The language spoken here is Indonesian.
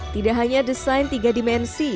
tidak hanya desain tiga dimensi